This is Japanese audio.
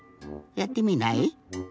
やってみない？